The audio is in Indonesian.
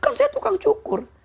kan saya tukang cukur